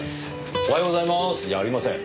「おはようございます」じゃありません。